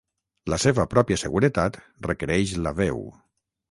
La seva pròpia seguretat requereix la Veu.